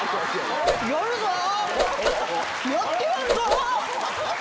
やってやんぞ！